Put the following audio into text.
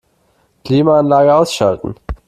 Klimaanlage ausschalten.